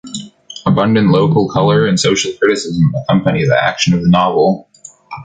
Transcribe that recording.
Abundant local color and social criticism accompany the action of the novel.